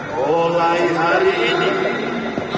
mulai hari ini akan kita suruh